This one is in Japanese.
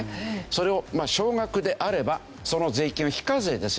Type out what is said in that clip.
それを少額であればその税金は非課税ですよと。